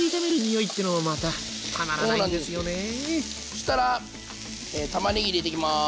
そしたらたまねぎ入れていきます。